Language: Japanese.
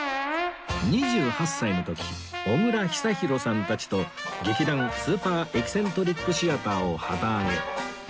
２８歳の時小倉久寛さんたちと劇団スーパーエキセントリックシアターを旗揚げ